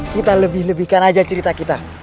kita lebih lebihkan aja cerita kita